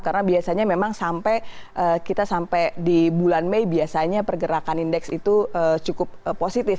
karena biasanya memang sampai kita sampai di bulan mei biasanya pergerakan indeks itu cukup positif